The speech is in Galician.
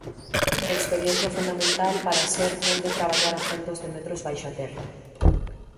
Experiencia fundamental para ser quen de traballar a centos de metros baixo a terra.